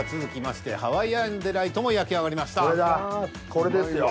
これですよ。